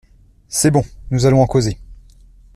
C'est bon, nous allons en causer.